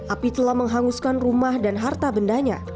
api telah menghanguskan rumah dan harta bendanya